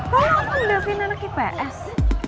lalu apa davin anak ips